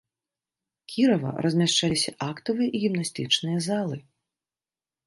Кірава, размяшчаліся актавая і гімнастычная залы.